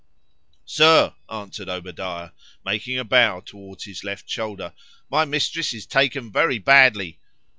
Sir, answered Obadiah, making a bow towards his left shoulder,—my Mistress is taken very badly.